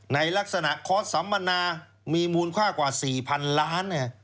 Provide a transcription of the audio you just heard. ในลักษณะคอร์สสัมมนามีมูลค่ากว่า๔๐๐๐ล้าน